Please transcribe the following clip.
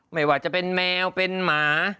ไม่ว่าจะเป็นแมวเป็นหมา